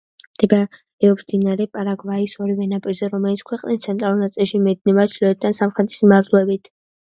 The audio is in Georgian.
მდებარეობს მდინარე პარაგვაის ორივე ნაპირზე, რომელიც ქვეყნის ცენტრალურ ნაწილში მიედინება ჩრდილოეთიდან სამხრეთის მიმართულებით.